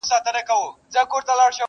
پیل لېوه ته په خندا سو ویل وروره!!